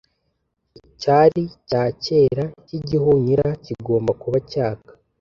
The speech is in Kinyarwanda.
Icyari cya kera cy'igihunyira kigomba kuba cyaka.